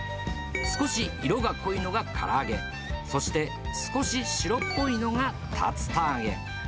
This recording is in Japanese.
少し色が濃いのがから揚げ、そして少し白っぽいのが竜田揚げ。